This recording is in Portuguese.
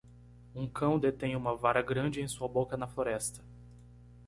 Um cão detém uma vara grande em sua boca na floresta.